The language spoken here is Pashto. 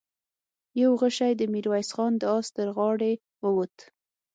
يو غشۍ د ميرويس خان د آس تر غاړې ووت.